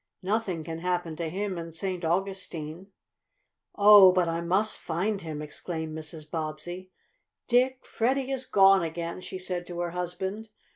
Nothing can happen to him in St. Augustine." "Oh, but I must find him!" exclaimed Mrs. Bobbsey. "Dick, Freddie is gone again!" she said to her husband.